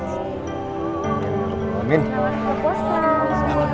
selamat ulang tahun